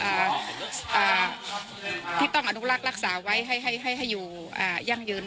และเป็นป่าพื้นเดียวที่ต้องอนุลักษณ์รักษาไว้ให้อยู่ยั่งเยอะ